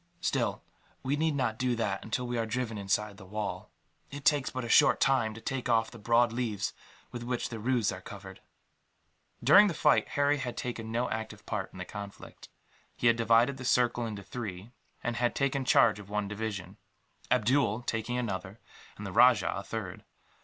Still, we need not do that until we are driven inside the wall. It takes but a short time to take off the broad leaves with which the roofs are covered." During the fight, Harry had taken no active part in the conflict. He had divided the circle into three, and had taken charge of one division, Abdool taking another, and the rajah a third.